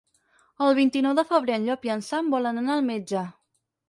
El vint-i-nou de febrer en Llop i en Sam volen anar al metge.